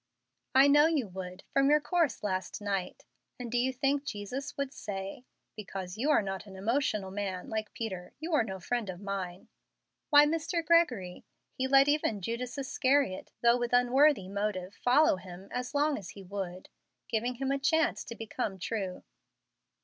"I know you would, from your course last night. And do you think Jesus would say, 'Because you are not an emotional man like Peter, you are no friend of mine'? Why, Mr. Gregory, He let even Judas Iscariot, though with unworthy motive, follow Him as long as he would, giving him a chance to become true."